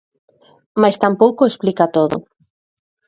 Mais tampouco o explica todo.